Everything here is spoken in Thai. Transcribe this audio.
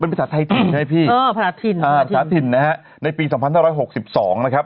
เป็นภาษาไทยทิ่นใช่ไหมพี่ภาษาทิ่นภาษาทิ่นนะครับในปี๒๖๖๒นะครับ